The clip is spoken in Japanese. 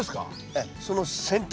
ええその先端。